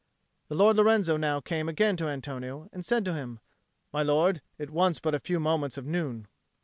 The Lord Lorenzo now came again to Antonio and said to him, "My lord, it wants but a few moments of noon."